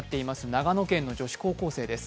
長野県の女子高校生です。